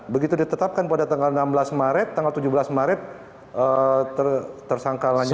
begitu ditetapkan pada tanggal enam belas maret tanggal tujuh belas maret tersangka lanjut